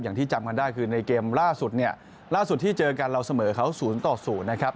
อย่างที่จำกันได้คือในเกมล่าสุดเนี่ยล่าสุดที่เจอกันเราเสมอเขา๐ต่อ๐นะครับ